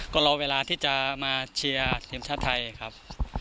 ก็รอเวลาที่จะมาเชียร์ทีมชาติไทยครับ